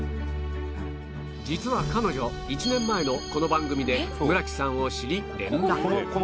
実は彼女１年前のこの番組で村木さんを知り連絡